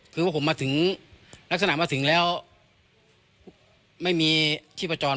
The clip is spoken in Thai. คือว่าผมมาถึงลักษณะมาถึงแล้วไม่มีชีพจร